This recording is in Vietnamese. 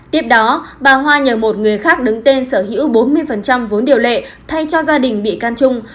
tiếp đó bà hoa nhờ một người khác đứng tên sở hữu bốn mươi vốn điều lệ thay cho gia đình bị can trung